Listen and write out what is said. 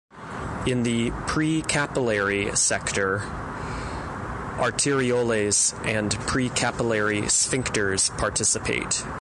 In the pre-capillary sector, arterioles and precapillary sphincters participate.